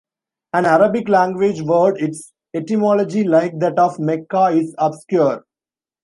An Arabic language word, its etymology, like that of Mecca, is obscure.